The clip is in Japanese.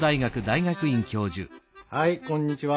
はいこんにちは。